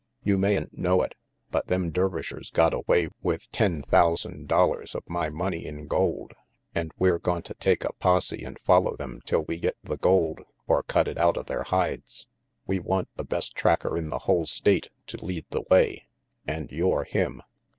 "You mayn't know it, but them Dervishers got RANGY PETE away with ten thousand dollars of my money in gold, and we're gonta take a posse and follow them till we get the gold or cut it outa their hides. We want the best tracker in the whole State to lead the way, and you're him."